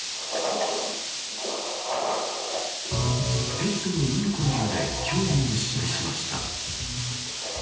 ペットのインコにまで興味を示しました。